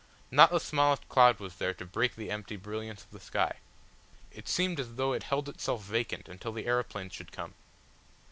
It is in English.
Not the smallest cloud was there to break the empty brilliance of the sky. It seemed as though it held itself vacant until the aeroplanes should come.